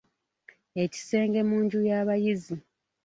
Ekisenge mu nju y'abayizi.